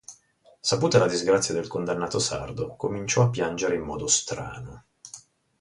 Saputa la disgrazia del condannato sardo, cominciò a piangere in modo strano.